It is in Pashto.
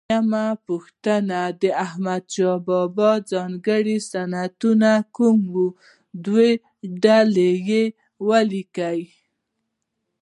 درېمه پوښتنه: د احمدشاه بابا ځانګړي صفتونه کوم و؟ دوه ډوله یې ولیکئ.